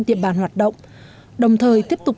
địa bàn hoạt động đồng thời tiếp tục